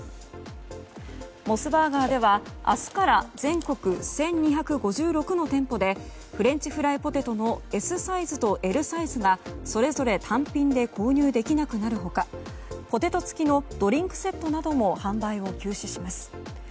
モスバーガーでは明日から全国１２５６の店舗でフレンチフライポテトのＳサイズとＬサイズがそれぞれ単品で購入できなくなる他ポテト付きのドリンクセットなども販売を休止します。